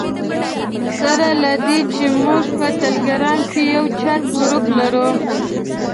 سره له دې چې موږ په ټلګرام کې یو چټ ګروپ لرو.